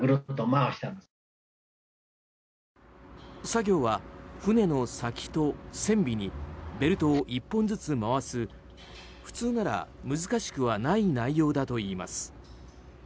作業は船の先と船尾にベルトを１本ずつ回す普通なら難しくはない内容だといいます。